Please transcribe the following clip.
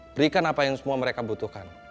berikan apa yang semua mereka butuhkan